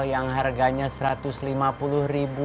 yang harganya seratus lima puluh ribu